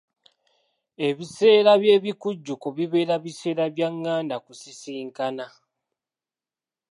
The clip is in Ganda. Ebiseera by'ebikujjuko bibeera biseera bya nganda ku sisinkana.